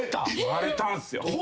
割れたんすよ。